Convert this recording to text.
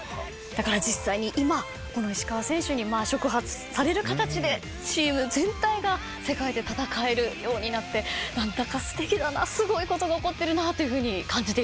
だから実際に今この石川選手に触発される形でチーム全体が世界で戦えるようになって何だかすてきだなすごいことが起こってるなというふうに感じています。